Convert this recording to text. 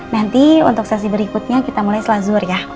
nanti untuk sesi berikutnya kita mulai selazur ya